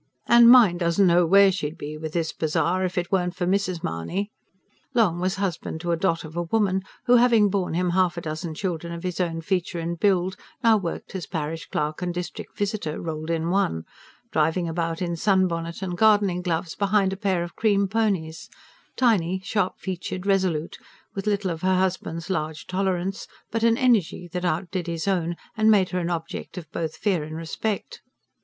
"And mine doesn't know where she'd be, with this bazaar, if it weren't for Mrs. Mahony." Long was husband to a dot of a woman who, having borne him half a dozen children of his own feature and build, now worked as parish clerk and district visitor rolled in one; driving about in sunbonnet and gardening gloves behind a pair of cream ponies tiny, sharp featured, resolute; with little of her husband's large tolerance, but an energy that outdid his own, and made her an object of both fear and respect.